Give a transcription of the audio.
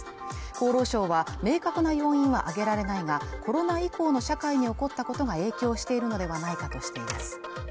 厚労省は明確な要因は挙げられないがコロナ以降の社会に起こったことが影響しているのではないかとしています